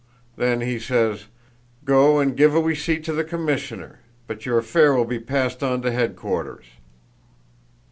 Then he says: 'Go and give a weceipt to the commissioner, but your affair will be passed on to headquarters.